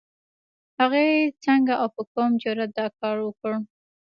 هغې څنګه او په کوم جرئت دا کار وکړ؟